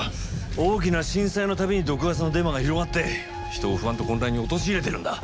大きな震災の度に毒ガスのデマが広がって人を不安と混乱に陥れてるんだ。